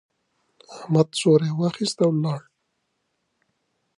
احمد څوری واخيست، ولاړ.